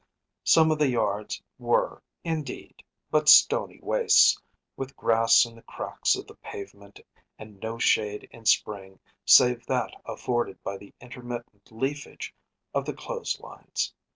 Some of the yards were, indeed, but stony wastes, with grass in the cracks of the pavement and no shade in spring save that afforded by the intermittent leafage of the clothes lines.